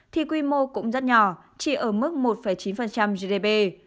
thì quy mô cũng rất nhỏ chỉ ở mức một chín gdp